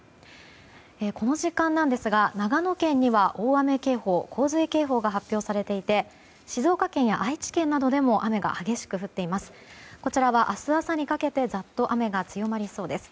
この時間なんですが長野県には大雨警報、洪水警報が発表されていて静岡県や愛知県などでも雨が激しく降っています。